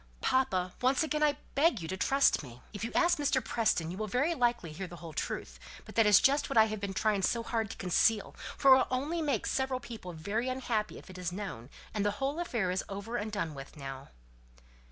"Papa! once again I beg you to trust me. If you ask Mr. Preston you will very likely hear the whole truth; but that is just what I have been trying so hard to conceal, for it will only make several people very unhappy if it is known, and the whole affair is over and done with now."